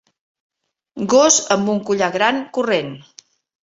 Gos amb un collar gran corrent.